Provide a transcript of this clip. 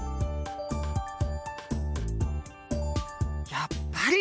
やっぱり！